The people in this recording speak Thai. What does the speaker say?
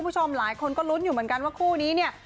คุณผู้ชมหลายคนก็ลุ้นอยู่เหมือนกันว่าคู่นี้เนี่ย